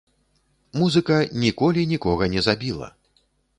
Музыка ніколі нікога не забіла.